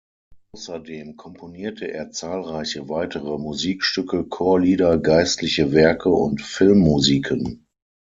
Außerdem komponierte er zahlreiche weitere Musikstücke, Chorlieder, geistliche Werke und Filmmusiken.